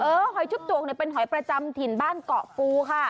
หอยชุบจวกเนี่ยเป็นหอยประจำถิ่นบ้านเกาะปูค่ะ